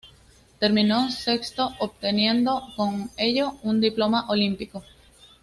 Terminó sexto obteniendo con ello un diploma olímpico.